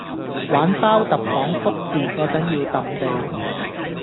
玩包揼講福字果陣要揼地